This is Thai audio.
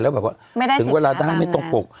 แล้วแบบว่าถึงเวลาได้ไม่ตรงปก